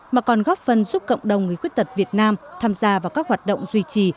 mà còn góp phần giúp cộng đồng người khuyết tật việt nam tham gia vào các hoạt động duy trì